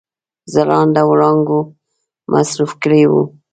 ځلانده وړانګو مصروف کړي وه.